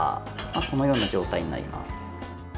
このような状態になります。